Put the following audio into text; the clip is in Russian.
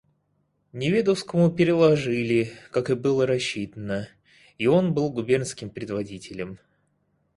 Неведовскому переложили, как и было рассчитано, и он был губернским предводителем.